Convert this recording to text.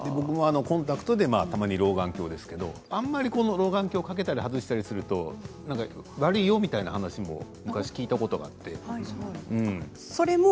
コンタクトでたまに老眼鏡ですけれどあまり老眼鏡を掛けたり外したりすると悪いよという話も聞いたことがあるんですけれど。